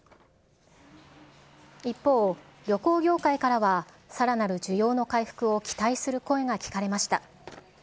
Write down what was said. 一方、旅行業界からはさらなる需要の回復を期待する声が聞かれました。